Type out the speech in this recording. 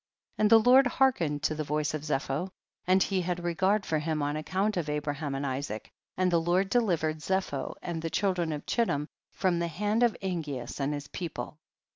26. And the Lord hearkened to the voice of Zepho, and he had re gard for him on account of Abraham and Isaac, and the Lord delivered Zepho and the children of Ciiittim from the hand of Angeas and his people.